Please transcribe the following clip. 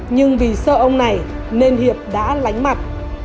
nhưng vì sợ ông này nên hiệp đã lánh mặt